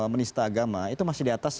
menista agama itu masih di atas